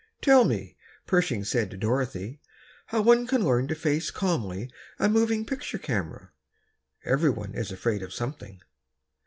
"Tell me," Pershing said to Dorothy, "how one can learn to face calmly a moving picture camera." Everyone is afraid of something.